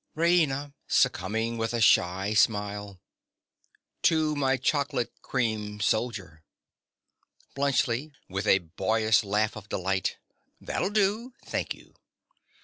RAINA. (succumbing with a shy smile). To my chocolate cream soldier! BLUNTSCHLI. (with a boyish laugh of delight). That'll do. Thank you.